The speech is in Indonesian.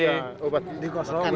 ya obat ini